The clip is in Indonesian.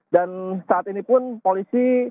dan saat ini pun polisi